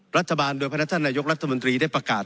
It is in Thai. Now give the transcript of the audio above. รัฐบาลโดยพนักท่านนายกรัฐมนตรีได้ประกาศ